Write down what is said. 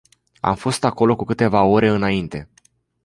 Am fost acolo cu câteva ore înainte.